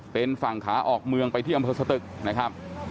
เป็นฝั่งขาออกเมืองไปที่อำเภอสตึกนะครับ